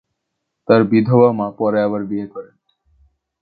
তার বিধবা মা পরে আবার বিয়ে করেন।